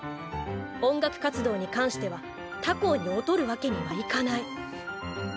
音楽活動に関しては他校に劣るわけにはいかない。